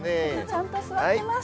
ちゃんと座ってます。